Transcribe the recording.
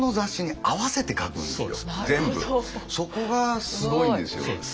そこがすごいんですよ。